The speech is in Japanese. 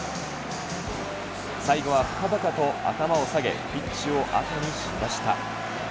最後は深々と頭を下げ、ピッチを後にしました。